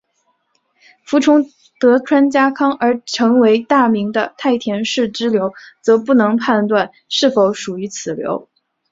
服从德川家康而成为大名的太田氏支流则不能判断是否属于此流。